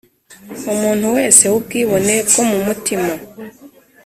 Umuntu wese w ubwibone bwo mu mutima